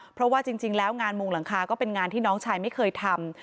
เพราะว่าจริงแล้วงานมุงหลังคาก็เป็นงานที่น้องชายไม่เคยทำ